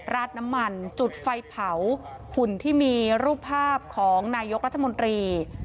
ราดน้ำมันจุดไฟเผาหุ่นที่มีรูปภาพของนายกรัฐมนตรี